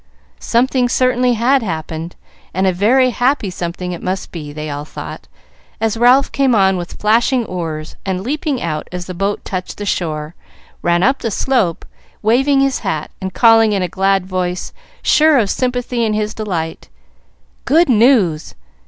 Something certainly had happened, and a very happy something it must be, they all thought, as Ralph came on with flashing oars, and leaping out as the boat touched the shore, ran up the slope, waving his hat, and calling in a glad voice, sure of sympathy in his delight, "Good news!